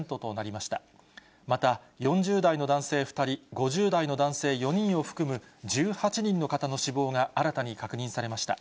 また、４０代の男性２人、５０代の男性４人を含む１８人の方の死亡が新たに確認されました。